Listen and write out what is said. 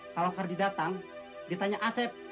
kalau kardi datang ditanya asep